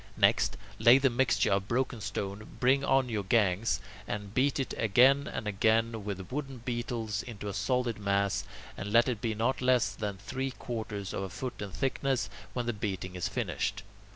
Next, lay the mixture of broken stone, bring on your gangs, and beat it again and again with wooden beetles into a solid mass, and let it be not less than three quarters of a foot in thickness when the beating is finished.